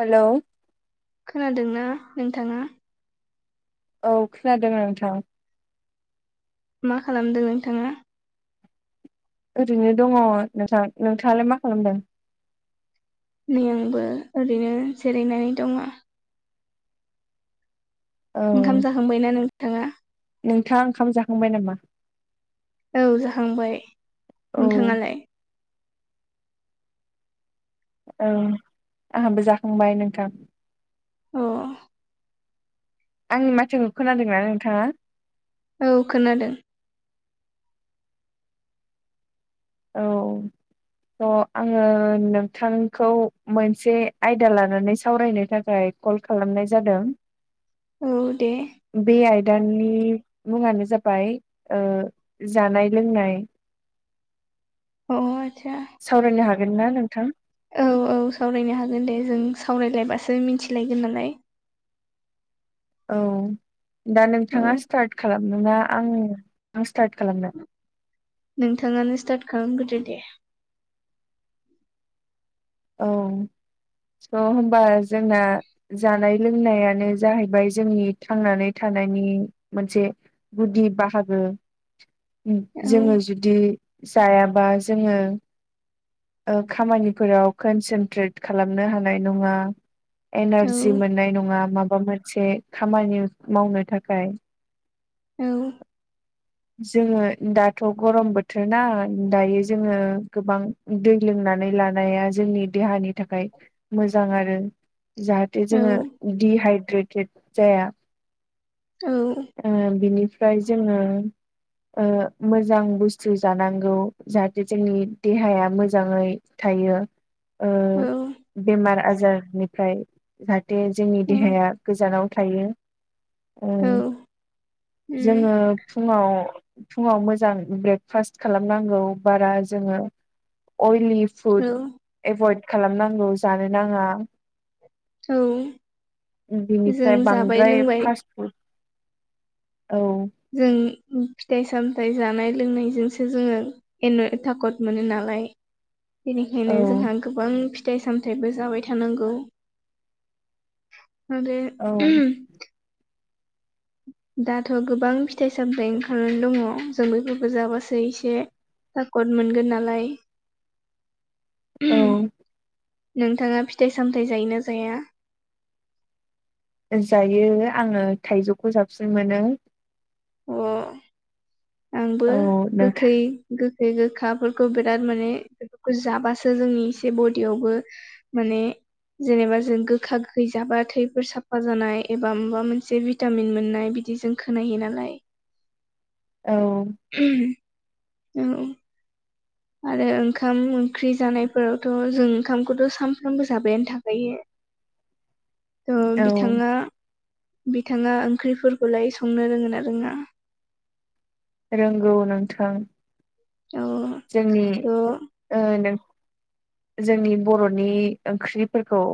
हेल' खोनादोंना नोंथाङा? औ खोनादों आं नोंथां। मा खालामदों नोंथाङा? ओरैनो दङ नोंथां नोंथाङालाय मा खालामदों? नै आंबो ओरैनो जिरायनानै दङ। औ ओंखाम जाखांबायना नोंथाङा? नोंथाङा ओंखाम जाखांबाय नामा? औ जाहांबाय औ नोंथाङालाय? औं आंहाबो जाखांबाय नोंथां। अ आंनि माथोखौ खोनादोंना नोंथाङा? औ खोनादों। औ स' आङो नोंथांखौ मोनसे आयदा लानानै सावरायनो थाखाय कल खालामनाय जादों। औ दे बे आयदानि मुङानो जाबाय ओ जानाय लोंनाय। अ आदसा। सावरायनो हागोनना नोंथां? औ औ सावरायनो हागोन दे जों सावरायलायबासो मिथिलायगोन नालाय औ दा औ नोंथाङा स्टार्ट खालामनोना आं आं स्टार्ट खालामनो? नोंथाङानो स्टार्ट खालामग्रोदो दे। औ स' होमबा जोंना जानाय लोंनायानो जाहैबाय जोंनि थांनानै थानायनि मोनसे गुदि बाहागो औ जोङो जुदि जायाबा जोङो ओ खामानिफोराव कनसेनट्रेट खालामनो हानाय नङा औ एनारजि मोननाय नङा माबा मोनसे खामानि मावनो थाखाय औ जोङो दाथ' गरम बोथोरना दायो जोङो गोबां दै लोंनानै लानाया जोंनि देहानि थाखाय मोजां आरो। जाहाथे औ जोङो दिहाइद्रेटेड जाया। औ ओ बिनिफ्राय जोङो ओ मोजां बुस्थु जानांगौ जाहाथे जोंनि देहाया मोजाङै थायो। ओ औ बेमार आजारनिफ्राय जाहाथे जोंनि औ देहाया गोजानाव थायो ओ उम जोङो फुङाव फुङाव मोजां ब्रेकफास्ट खालामनांगौ बारा जोङो अइलि फुद ओ एभइड खालामनांगौ जानो नाङा। औ बिनिफ्राय जों जाबाय बांद्राय लोंबाय फार्स औ जों फिथाइ सामथाइ जानाय लोंनायजोंसो जोंङो एन' थाखकट मोनो नालाय। औ बेनिखायनो जोंहा गोबां फिथाइ सामथायाइबो जाबाय थानांगौ। आरो औ दाथ' गोबां फिथाइ सामथाइ ओंखारनानै दंङो जों बेफोरखौ जाबासो एसे सापद मोनगोन नालाय। औ नोंथांङा फिथाइ सामथायाइ जायोना जाया जायो आंङो थायजौखौ साबसिन मोनो अ आंबो औ नोंथां गोखै गोखै गोखाफोरखौ बिराद मानेखौ जाबासो जोंनि एसे बडियावबो माने जेनेबा जों गोखा गोखै जाबा थैफोर साफा जानाय एबा माबा मोनसे भिटामिन मोननाय बिदि जों खोनायो नालाय औ औ आरो ओंखाम ओंख्रि जानायफोरावथ' जों ओंखामखौथ' सानफ्रामबो जाबायानो थाखायो। [inaudible] थ' बिथांङा बिथांङा ओंख्रिफोरखौलाय संनो रोंङो ना रोंङा रोंगौ नोंथां औ जोंनि थ' जोंनि बर'नि ओंख्रिफोरखौ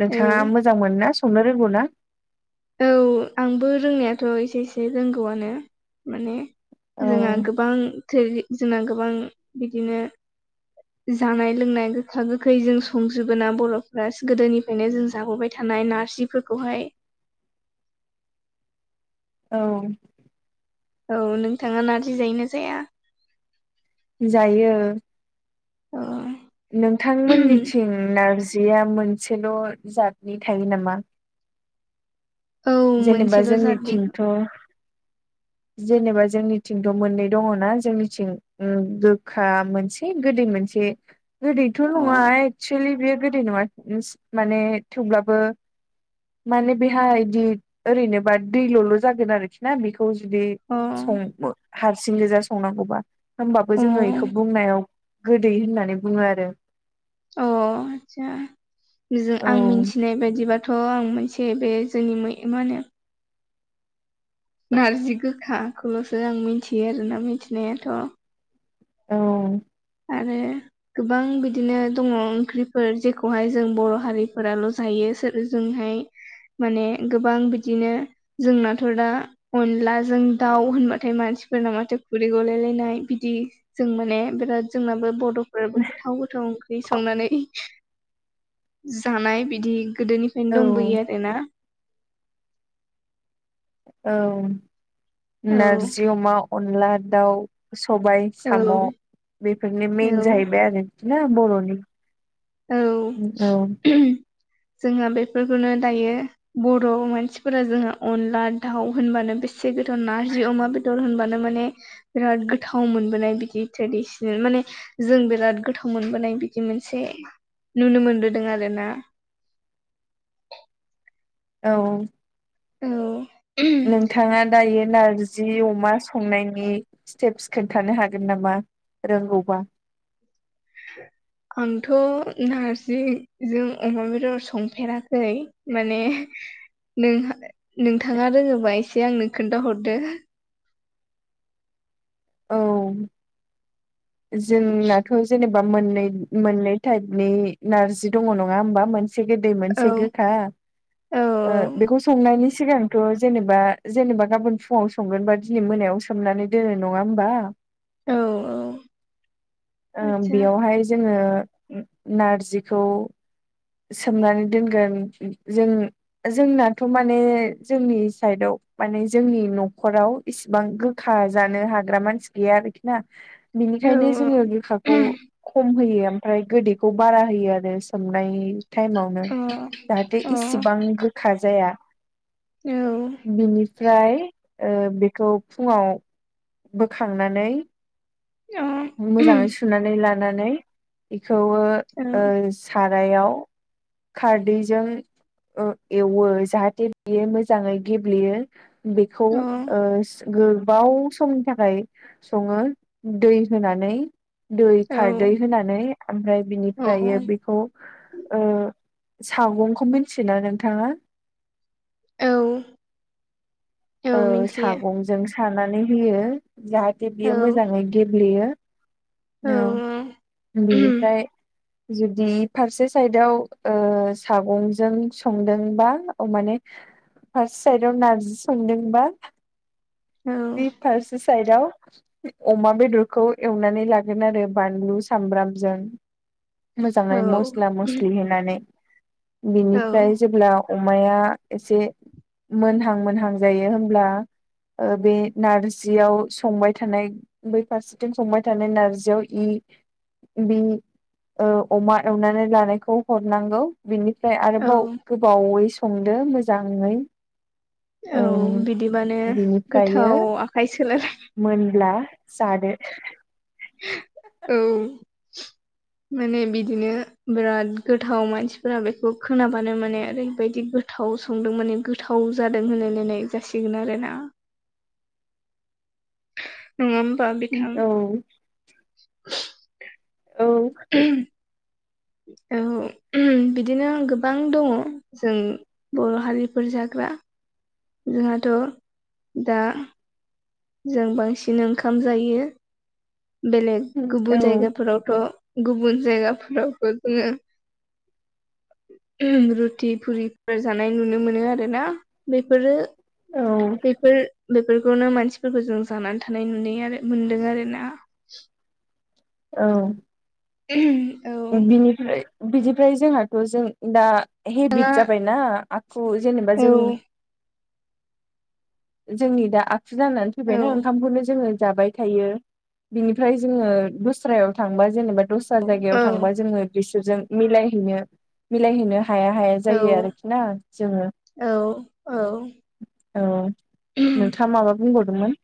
नोंथांङा औ मोजां मोन ना संनो रोंगौ ना औ आंबो रोंनायाथ' एसे एसे रोंगौआनो माने औ जोंहा गोबां थोर जोंना गोबां बिदिनो जानाय लोंनाय गोखा गोखै जों संजोबोोना बर'फ्रा गोदोनि ओंखायनो जों जाबोबाय थानाय नारजिफोरखौहाय औ औ नोंथांङा नारजि जायो ना जाया जायो अ नोंथांमोननिथिं नारजिया मोनसेल' जातनि थायो नामा? औ जेनेबा मोनसेल' जादनि जोंनिथिंथ' जेनेबा जोंनिथिंथ' मोननै दंङोना जोंनिथिं गोखा मोनसे एसे गोदै मोनसे गोदैथ' अ नंङा एक्सुेलि बेयो गोदै नङा माने थेवब्लाबो माने बेहााय बिदि ओरैनोबा दैल'ल' जागोन आरोखि ना बेखौ जुदि अ सं हारसिं गोजा संनांगौबा होमबाबो अ जोंङो बेखौ बुंनायाव गोदै होननानै बुंङो आरो अ आदसासा औ आं मिथिनाय बायदिबा आं मोनसे बे जोंनि मै मा होनो नारजि गोखाखौल'सो आं मिथियो आरोना मिथिनायाथ' औ आरो गोबां बिदिनो दंङो ओंख्रिफोर जेखौहाय जों बर' हारिफोराल' जायो सोर ओ जोंहाय माने गोबां बिदिनो जोंनाथ' दा अनलाजों दाउ होनबाथाय मानसिफोरना माथो खुरै गलायलायनाय बिदि जों माने बिराद जोंनाबो बड'फोराबो गोथाव गोथाव ओं ख्रि संनानै जानाय बिदि गोदोनिफ्रायनो औ दंबोयो आरोना औ औ नारजि अमा अनला दाउ सबाय साम' बेफोरनि औ मेन जाहैबाय आरो ना बर'नि औ औ जोंहा बेफोरखौनो दायो बर' मानसिफोरा जोंहा अनला दाउ होनबानो बेसे एसे गोथाव नारजि अमा बेदर होनबानो माने बिराद गोथाव मोनबोनाय बिदि ट्रेडिसनेल माने जों बिराद गोथाव मोनबोनाय बिदि मोनसे नुनो मोनबोदों आरोना औ औ ओ नोंथाङा दायो नारजि अमा संनायनि स्टेप्स खोन्थानो हागोन नामा रोंगौबा [inaudible] आंथ' नारजिजों अमा बेदर संफेराखै माने नोंहा नोंथाङा रोङोबा एसे आंनो खोन्थाहरदो औ जोंनाथ' जेनेबा मोननै हारिनि नारजि दं नडा होनबा गोदै मोनसे औ गोखा औ बे संनायनि सिगांथ' जेनेबा जेनेबा गाबोन फुङाव संगोनबा दिनै मोनायाव सोमनानै दोन नङा होनबा औ आतसा बेयावहाय जोङो नारजिखौ सोमनानै दोनगोन जों जोंनाथ' माने जोंनि साइदआव माने जोंनि न'खराव इसिबां गोखा जा नों हाग्रा मानसि गैया आरोखि ना औ बिनिखायनो औ जोङो गोखाखौ खम होयो ओमफ्राय गोदैखौ बारा होयो आरो सोमनाय टाइमावनो अ जाहाथे अ इसिबां गोखा जाया औ बिनिफ्राय बेखौ फुङाव बोखांनानै अ मोजाङै सुनानै लानो लानानै बेखौबो औ सारायाव खारदैजों एवो जाहाथे बेयो मोजाङै गेब्लेयो बेखौ औ गोबाव समनि थाखाय सङो दै होनानै दै औ खारदै होनानै ओमफ्राय बिनिफ्राय बेखौ सागंखौ मिथियोना नोंथाङा औ औ सागंजों सानानै होयो जाहाथे बियो मोजाङै गेब्लेयो औ बेनिफ्राय जुदि फारसे साइदाव सागंजों संदोंबा माने फार्स्ट साइदाव नार्जि संदोंबा बि फारसे साइदाव अमा बेदरखौ एवनानै लागोन आरो बानलु सामब्रामजों मोजाङै मस्ला मस्लि होनानै बिनिफ्राय जेब्ला अमाया एसे मोनहां मोनहां जायो होनब्ला बे नारजियाव संबाय थानाय बै फारसेथिं संबाय थानाय नारजियाव इ बि अमा एवनानै लानायखौ हरनांगौ बिनिफ्राय आरोबाव गोबावै संदो मोजाङै औ बि थाव आखाइ सोलायलाय मोनब्ला जादो। औ। माने बिदिनो बिराद गोथाव मानसिफोरा बेखौ खोनाबानो माने ओरैबायदि गोथाव संदों माने गोथाव जादों होनलायलायनाय जासिगोन आरो ना। नङा ओमबा बिथां औ [inaudible] ओम औ बिदिनो गोबां दङ जों बर' हारिफोर जाग्रा जोंहाथ' दा जों बांसिन ओंखाम जायो बेलेग औ गुबुन जायगाफोरावथ' गुबुन जायगाफोरावबो जोङो रुथि फुरिफोर जानाय नुनो मोनो आरोना। बेफोरो औ बेफोर बेफोरखौनो मानसि फोरखौ जों जानानै थानाय नुयो आरो मोनदों आरोना। औ औ बिनिफ्राय बिनिफ्राय जोंहाथ' जों दा हेबिट जाबायना आखु जेनेबा औ जों नोंथाङा जोंनि दा आखु जानानै फैबायना ओंखामखौनो जोङो जाबाय थायो बिनिफ्राय जोङो दस्रायाव थांबा जेनेबा दस्रा औ जायगायाव थांबा जोङो बिसोरजों मिलायहैनो मिलायहैनो हाया हाया जायो औ आरोखि ना जोङो। औ औ औ नोंथाङा माबा बुंबावदोंमोन?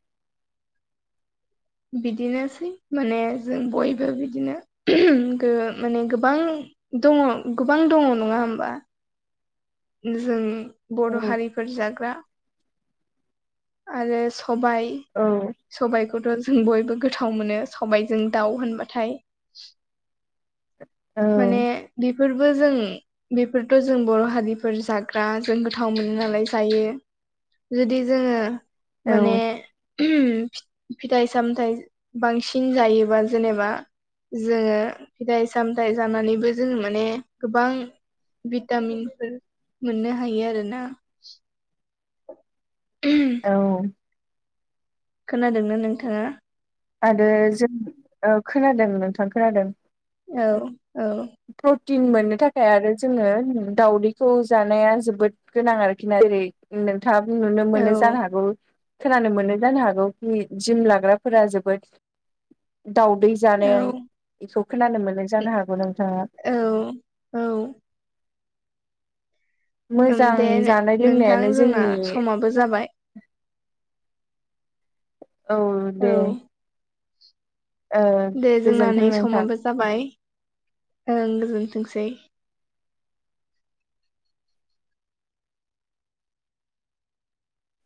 बिदिनोसै माने जों बयबो बिदिनो गो माने गोबां दङ गोबां दङ नङा होमबा। जों औ बर' हारि फोर जाग्रा आरो सबाइ औ सबाइखौथ' जों बयबो गोथाव मोनो सबाइजों दाउ होनबाथाय। औ माने बिफोरबो जों बेफोरथ' जों बर' हारि फोर जाग्रा जों गोथाव मोनो नालाय जायो। जुदि जोङो औ माने फिथाइ सामथाइ बांसिन जायोबा जेनेबा जोङो फिथाइ सामथाइ जानानैबो जोङो माने गोबां भिटामिनफोर मोननो हायो आरोना। औ। खोनादों ना नोंथाङा? आरो जों ओ खोनादों नोंथां खोनादों। औ औ। प्रटिन मोननो थाखाय आरो जोङो दावदैखौ जानाया जोबोद गोनां आरोखि ना जेरै नोंथाङाबो नुनो औ मोनो जानो हागौ। खोनानो मोनो जानो हागौ कि जिम लाग्राफोरा जोबोद दावदै जानाय औ बेखौ खोनानो मोननाय जानो हागौ नों औ औ उम मोजां दे जानाय नोंथां लोंनायानो जोंना जोंनि समाबो जाबाय। औ दे ओ दे जोंना नै गोजोन्थों नोंथां समाबो जाबाय ओं गोजोनथोंसै।